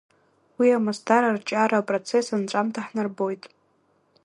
Уи амасдар арҿиара апроцесс анҵәамҭа ҳнарбоит.